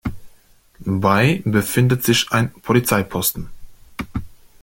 Bei befindet sich ein Polizeiposten.